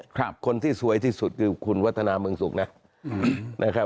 คนที่สวยที่สุดคือคุณวัฒนาเมืองสุขนะ